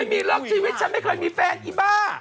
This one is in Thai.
ไม่มีเลิกที่วิทย์ฉันไม่เคยมีแฟนอีบ้า